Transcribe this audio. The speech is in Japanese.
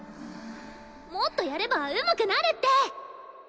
もっとやればうまくなるって！